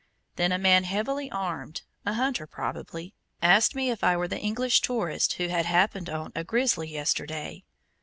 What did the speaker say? Then a man heavily armed, a hunter probably, asked me if I were the English tourist who had "happened on" a "Grizzly" yesterday.